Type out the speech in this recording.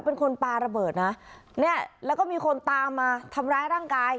เป็นคนปลาระเบิดนะเนี่ยแล้วก็มีคนตามมาทำร้ายร่างกาย